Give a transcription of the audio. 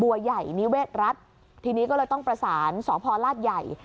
บัวใหญ่นิเวศรัฐทีนี้ก็เลยต้องประสานสพลาดใหญ่